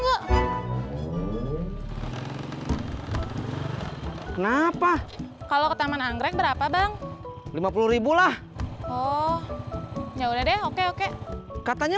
yuk kenapa kalau ke taman anggrek berapa bang lima puluh lah oh ya udah deh oke oke katanya